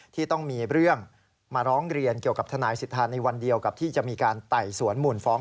ที่ต้องมีเรื่องมาร้องเรียนเกี่ยวกับทนายสิทธาในวันเดียวกับที่จะมีการไต่สวนมูลฟ้อง